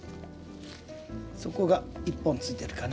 そこが一本ついてるかな？